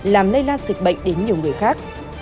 làm lây lan dịch bệnh đến nhiều người khác